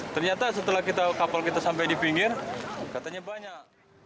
ternyata setelah kapal kita sampai di pinggir katanya banyak